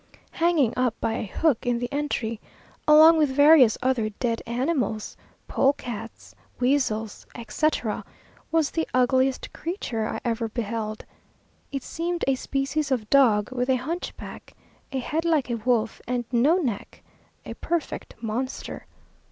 Hanging up by a hook in the entry, along with various other dead animals, polecats, weasels, etc., was the ugliest creature I ever beheld. It seemed a species of dog, with a hunch back, a head like a wolf, and no neck, a perfect monster.